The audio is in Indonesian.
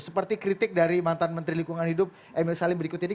seperti kritik dari mantan menteri lingkungan hidup emil salim berikut ini